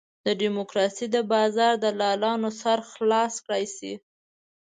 د ډیموکراسۍ د بازار دلالانو سر خلاص کړای شي.